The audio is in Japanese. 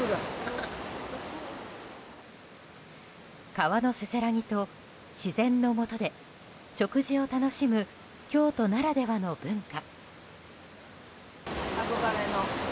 川のせせらぎと自然のもとで食事を楽しむ京都ならではの文化。